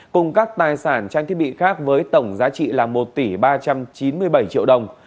cùng các tài sản trang thiết bị khác với tổng giá trị là một tỷ ba trăm chín mươi bảy triệu đồng